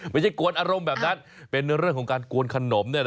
กวนอารมณ์แบบนั้นเป็นเรื่องของการกวนขนม